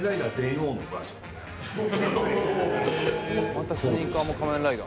またスニーカーも仮面ライダー。